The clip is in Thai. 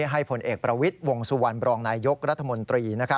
ให้ผลเอกประวิทย์วงสุวรรณบรองนายยกรัฐมนตรี